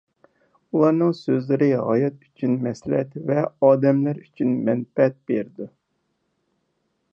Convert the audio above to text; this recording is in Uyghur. ئۇلارنىڭ سۆزلىرى ھايات ئۈچۈن مەسلىھەت ۋە ئادەملەر ئۈچۈن مەنپەئەت بېرىدۇ.